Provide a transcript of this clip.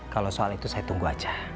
kalau soal itu saya tunggu aja